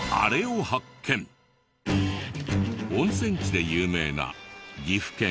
温泉地で有名な岐阜県下呂市。